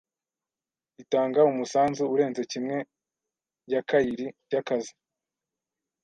itanga umusanzu urenze kimwe ya kairi yakazi